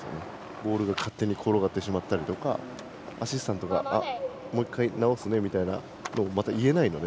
ボールが勝手に転がってしまったりアシスタントがもう１回直すねみたいなのをまた言えないので。